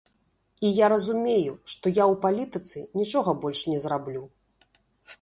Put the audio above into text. І я разумею, што я ў палітыцы нічога больш не зраблю.